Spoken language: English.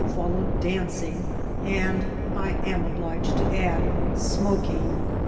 fbUowed dancing, and, I am obliged to add, smoking.